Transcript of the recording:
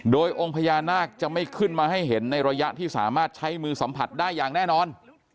โดยองค์พญานาคจะไม่ขึ้นมาให้เห็นในระยะที่สามารถใช้มือสัมผัสได้อย่างแน่นอน